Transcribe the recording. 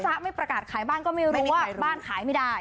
ไม่ประกาศขายบ้านก็ไม่รู้ว่าบ้านขายไม่ได้